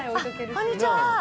こんにちは。